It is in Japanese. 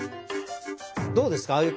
どうですか？